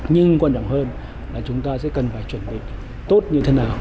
nhưng quan trọng hơn là chúng ta sẽ cần phải chuẩn bị tốt như thế nào